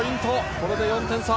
これで４点差。